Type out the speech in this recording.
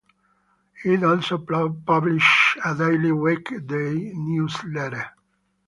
It also published a daily weekday newsletter.